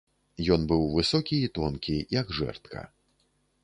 Ён быў высокі і тонкі, як жэрдка.